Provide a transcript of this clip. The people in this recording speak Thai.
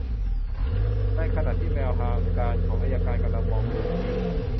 ในขณะที่แมวทางการของอัยการกำลังมองรูหนูอยู่